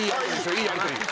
いいやり取り。